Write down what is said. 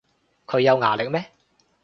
佢有牙力咩